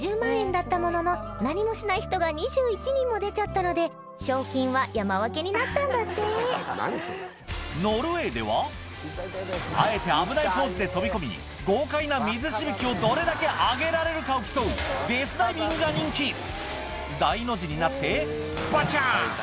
だったものの何もしない人が２１人も出ちゃったのでになったんだってノルウェーではあえて危ないコースで飛び込み豪快な水しぶきをどれだけ上げられるかを競うが人気大の字になってバチャン！